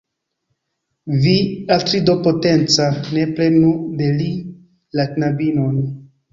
Vi, Atrido potenca, ne prenu de li la knabinon.